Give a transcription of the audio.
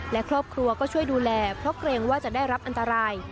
และครอบครัวก็ช่วยดูแลเพราะเกรงว่าจะได้รับอันตราย